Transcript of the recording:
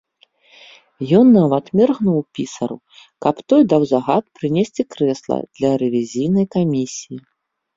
Ён нават міргнуў пісару, каб той даў загад прынесці крэслы для рэвізійнай камісіі.